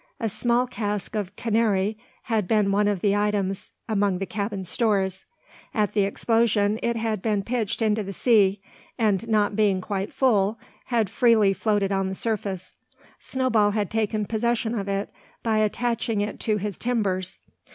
A small cask of "Canary" had been one of the items among the cabin stores. At the explosion it had been pitched into the sea; and not being quite full had freely floated on the surface. Snowball had taken possession of it by attaching it to his timbers.